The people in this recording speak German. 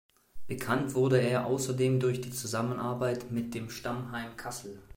Bekannt wurde er außerdem durch die Zusammenarbeit mit dem Stammheim Kassel.